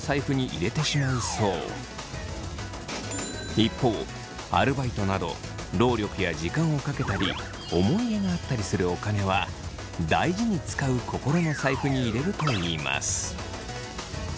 一方アルバイトなど労力や時間をかけたり思い入れがあったりするお金は大事につかう心の財布に入れるといいます。